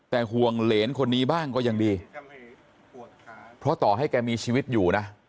แต่ห่วงเหรนคนนี้บ้างก็ยังดีเพราะต่อให้แกมีชีวิตอยู่นะ